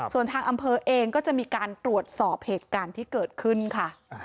ส่วนทางอำเภอเองก็จะมีการตรวจสอบเหตุการณ์ที่เกิดขึ้นค่ะ